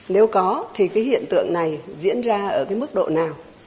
nếu có thì cái hiện tượng này diễn ra ở cái mức độ nào